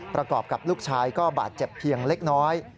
ประกอบกับลูกชายก็บาดเจ็บเพียงเล็กน้อย